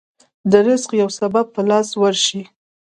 د رزق يو سبب په لاس ورشي.